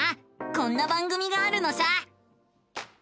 こんな番組があるのさ！